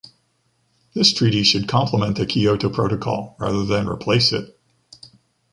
This treaty should complement the Kyoto Protocol rather than replace it.